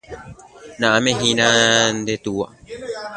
Na'áme hína nde túva